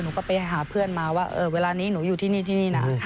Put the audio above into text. หนูก็ไปหาเพื่อนมาว่าเวลานี้หนูอยู่ที่นี่ที่นี่นะ